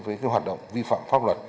với cái hoạt động vi phạm pháp luật